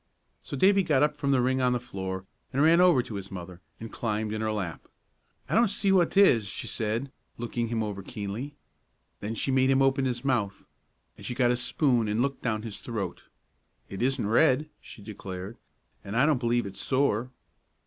So Davie got up from the ring on the floor, and ran over to his mother, and climbed in her lap. "I don't see what 'tis," she said, looking him over keenly. Then she made him open his mouth, and she got a spoon and looked down his throat. "It isn't red," she declared, "and I don't believe it's sore."